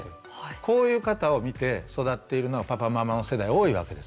こういう方を見て育っているのはパパママの世代多いわけです。